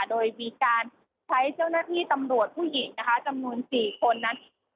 โดยมีการใช้เจ้าหน้าที่ตำรวจผู้หญิงนะคะจำนวน๔คนนั้น